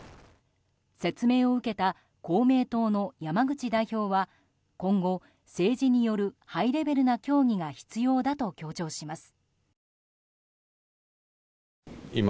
説明を受けた公明党の山口代表は今後政治によるハイレベルな協議が必要だと強調します。